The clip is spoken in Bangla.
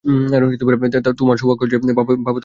তোর সৌভাগ্য যে বাবা তোকে শেখাচ্ছে না।